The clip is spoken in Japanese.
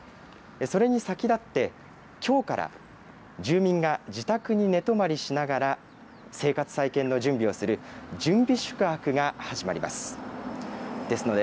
それに先立って、きょうから住民が自宅に寝泊まりしながら生活再建の準備をする、準備宿泊が始まります。